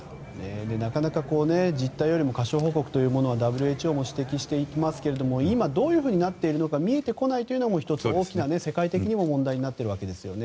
なかなか、実態よりも過少報告だということをＷＨＯも指摘していますが今どういうふうになっているのか見えてこないというのも１つ、大きな世界的にも問題になっているわけですよね。